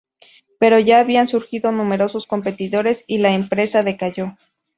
Pero ya habían surgido numerosos competidores y la empresa decayó.